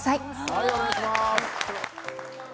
はいお願いしまーす